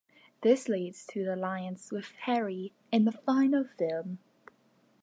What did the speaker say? This leads to the alliance with Harry in the final film.